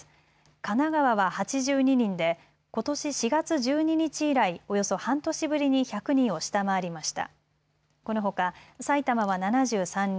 神奈川は８２人でことし４月１２日以来およそ半年ぶりに１００人を下回りました。